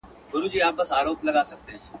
هيڅ چا د مور په نس کي شى نه دئ زده کری.